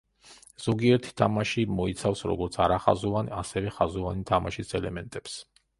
ზოგიერთი თამაში მოიცავს როგორც არახაზოვანი, ასევე ხაზოვანი თამაშის ელემენტებს.